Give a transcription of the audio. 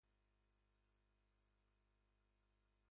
He repeatedly competed in the Czechoslovak Chess Championship finals.